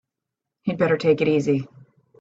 You'd better take it easy.